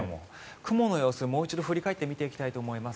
雲の様子、もう一度振り返って見ていきたいと思います。